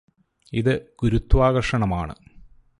ഇത് ഗുരുത്വാകര്ഷണമാണ്